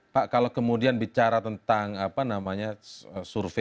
pertanyaan mana tadi